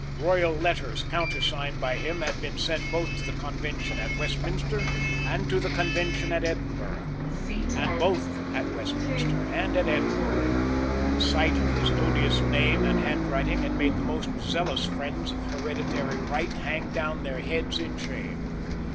Royal letters countersigned by him had been sent both to the Convention at Westminster and to the Convention at Edinburgh; and, both at Westminster and at Edinburgh, the sight of his odious name and handwriting had made the most zealous friends of hereditary right hang down their heads in shame.